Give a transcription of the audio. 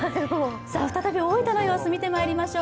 再び大分の様子を見てまいりましょう。